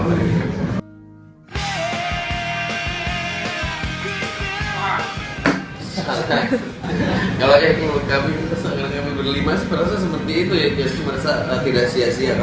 kalau ya menurut kami kesan karya kami berlima sih perasaan seperti itu ya